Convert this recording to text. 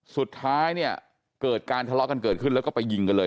สุดท้ายเนี่ยเกิดการทะเลาะกันเกิดขึ้นแล้วก็ไปยิงกันเลย